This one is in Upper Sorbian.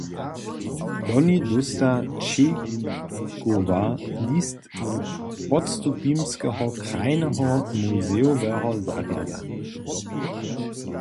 Loni dósta Čejkowa list z Podstupimskeho krajneho muzejoweho zarjada.